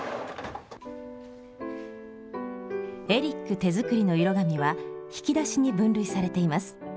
エリック手作りの色紙は引き出しに分類されています。